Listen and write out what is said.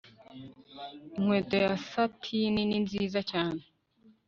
Inkweto ya satini ni nziza